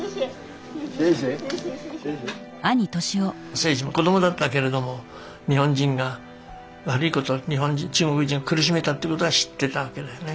征爾も子供だったけれども日本人が悪いこと中国人を苦しめたってことは知ってたわけだよね。